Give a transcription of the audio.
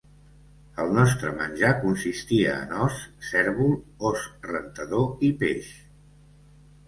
El nostre menjar consistia en ós, cérvol, ós rentador i peix.